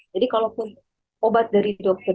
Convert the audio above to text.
jadi kalau pun obat dari dokter